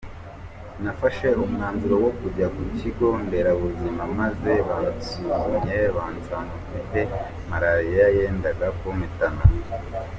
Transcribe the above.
Nafashe umwanzuro wo kujya ku kigo Nderabuzima maze bansuzumye basanga mfite maraliya yendaga kumpitana.